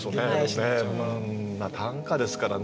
短歌ですからね